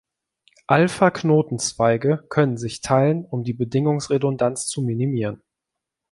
Alpha-Knoten-Zweige können sich teilen, um die Bedingungsredundanz zu minimieren.